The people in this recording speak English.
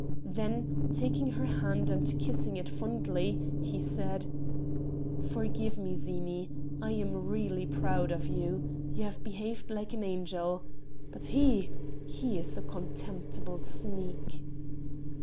Then, taking her hand and kissing it fondly, he said: "Forgive me, Zini I am really proud of you. You have behaved like an angel ... but he he is a contemptible sneak."